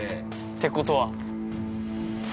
◆て、ことは。